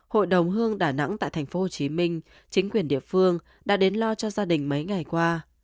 hội đồng hương đà nẵng tại tp hcm chính quyền địa phương đã đến lo cho gia đình mấy ngày qua